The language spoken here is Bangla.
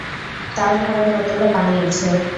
তাঁর ঘরে বোতলে পানি আছে।